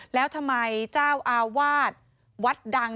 แล้วทำไมเจ้าอาวาสวัดดัง